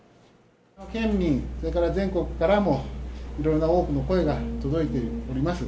県民、それから全国からもいろんな多くの声が届いております。